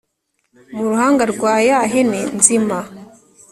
mu ruhanga rwa ya hene nzima